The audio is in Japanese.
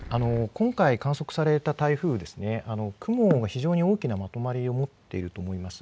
今回、観測された台風ですね、雲が非常に大きなまとまりを持っていると思います。